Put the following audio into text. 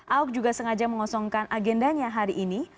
ahok juga sengaja mengosongkan agendanya hari ini